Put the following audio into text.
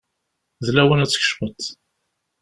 D lawan ad tkecmeḍ.